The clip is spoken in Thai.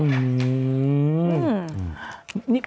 อืม